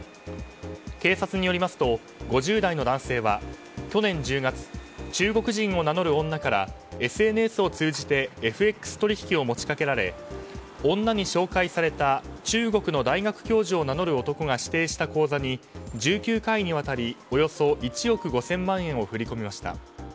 警察によりますと５０代の男性は、去年１０月中国人を名乗る女からＳＮＳを通じてＦＸ取引を持ち掛けられ女に紹介された中国の大学教授を名乗る男が指定した口座に１９回にわたりおよそ１億５０００万円を振り込みました。